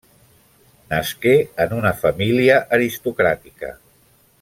Nasqué en una família aristocràtica.